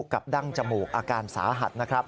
กับด้านจมูกอาการสาหัส